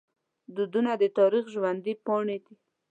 دودونه د تاریخ ژوندي پاڼې دي.